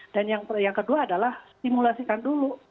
dan yang kedua adalah simulasikan dulu